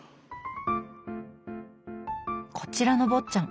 こちらの「坊ちゃん」。